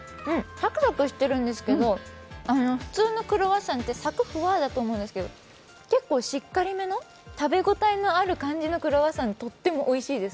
サクサクしてるんですけど、普通のクロワッサンってサクフワだと思うんですけど、結構しっかりめの、食べ応えのあるクロワッサンでとってもおいしいです。